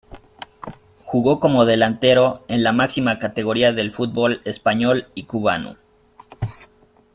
Jugó como delantero, en la máxima categoría del fútbol español y cubano.